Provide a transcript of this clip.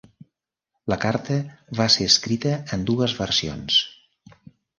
La carta va ser escrita en dues versions.